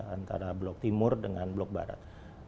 antara blok timur dengan blok barat